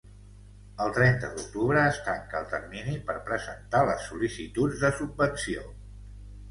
El trenta d'octubre es tanca el termini per presentar les sol·licituds de subvenció.